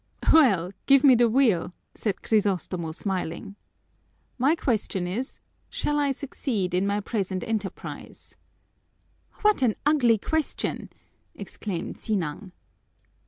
"Well, give me the wheel," said Crisostomo, smiling. "My question is, 'Shall I succeed in my present enterprise?'" "What an ugly question!" exclaimed Sinang.